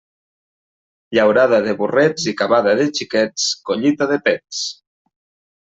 Llaurada de burrets i cavada de xiquets, collita de pets.